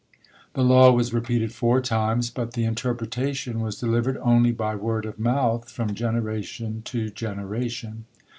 The law was repeated four times; but the interpretation was delivered only by word of mouth from generation to generation.